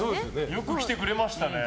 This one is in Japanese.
よく来てくれましたね。